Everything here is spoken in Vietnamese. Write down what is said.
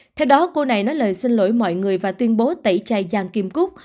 theo đó cô này nói lời xin lỗi mọi người và tuyên bố tẩy chai giang kim cúc